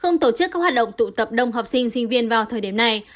không tổ chức các hoạt động tụ tập đông học sinh sinh viên vào thời điểm này